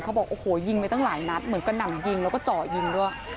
บอกโอ้โหยิงไปตั้งหลายนัดเหมือนกระหน่ำยิงแล้วก็เจาะยิงด้วย